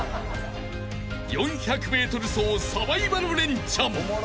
［４００ｍ走サバイバルレンチャン］